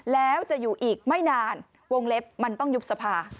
แล้วจะอยู่อีกไม่นานวงเล็บมันต้องยุบสภา